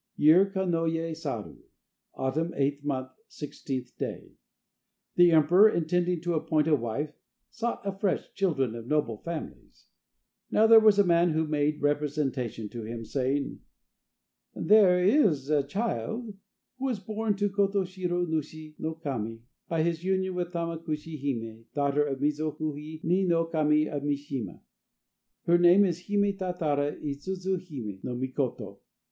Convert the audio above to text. Year Kanoye Saru, Autumn, 8th month, 16th day. The emperor, intending to appoint a wife, sought afresh children of noble families. Now there was a man who made representation to him, saying: "There is a child, who was born to Koto Shiro Nushi no Kami by his union with Tama Kushi hime, daughter of Mizo kuhi ni no Kami of Mishima. Her name is Hime tatara i suzu hime no Mikoto.